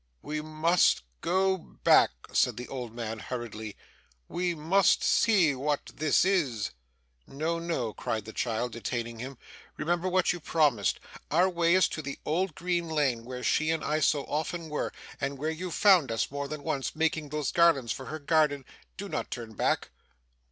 'We must go back,' said the old man, hurriedly. 'We must see what this is.' 'No, no,' cried the child, detaining him. 'Remember what you promised. Our way is to the old green lane, where she and I so often were, and where you found us, more than once, making those garlands for her garden. Do not turn back!